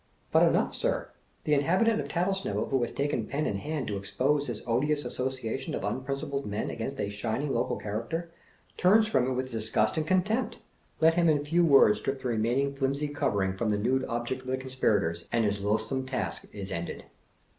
But enough, sir. The inhabitant of Tattlesnivel who has taken pen in hand to expose this odious association of 308 "THE TATTLESNIVEL BLEATER." imprincipled men against a shining (local) character, turns from it with disgust and contempt. Let him in few words strip the remaining flimsy covering from the nude object of the conspirators, and his loathsome task is ended.